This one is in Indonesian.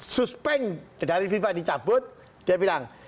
suspend dari viva dicabut dia bilang